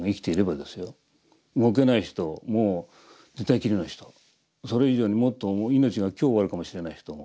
動けない人も寝たきりの人それ以上にもっと命が今日終わるかもしれない人も